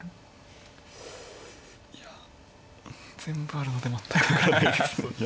いや全部あるので全く分からないです。